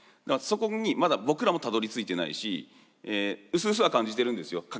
だからそこにまだ僕らもたどりついてないしうすうすは感じてるんですよ。